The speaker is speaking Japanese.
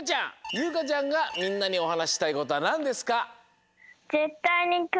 ゆうかちゃんがみんなにおはなししたいことはなんですか？